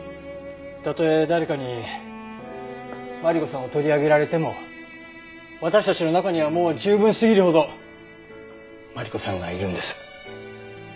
たとえ誰かにマリコさんを取り上げられても私たちの中にはもう十分すぎるほどマリコさんがいるんです。